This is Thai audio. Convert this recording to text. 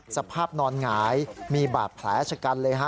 สภาพนอนหงายมีบาดแผลชะกันเลยฮะ